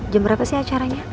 jam berapa sih acaranya